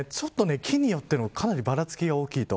木によってもかなり、ばらつきが大きいと。